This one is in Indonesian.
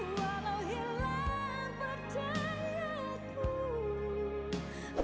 walau hilang percaya ku